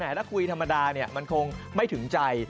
ถ้าคุยธรรมดามันคงไม่ถึงใจ